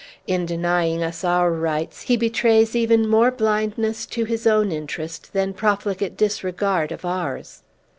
In denying us our rights, he betrays even more blindness to his own interests than profligate disregard of ours!"